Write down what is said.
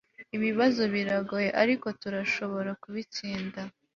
ibibazo biragoye, ariko turashobora kubitsinda